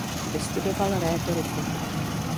Vystudoval rétoriku.